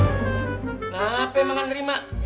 kenapa emang gak nerima